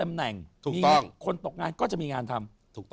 มีคนตกงานก็จะมีงานทำ